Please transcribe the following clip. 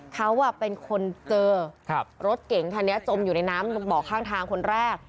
เขาเป็นคนเจอรถเก๋งคันนี้จมอยู่ในน้ำเบาะข้างทางคนแรก